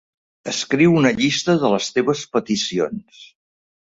Escriu una llista de les teves peticions.